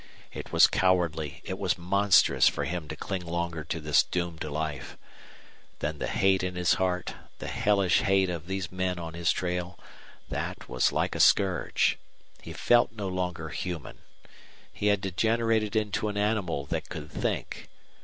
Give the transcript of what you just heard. It was cowardly, it was monstrous for him to cling longer to this doomed life. Then the hate in his heart, the hellish hate of these men on his trail that was like a scourge. He felt no longer human. He had degenerated into an animal that could think.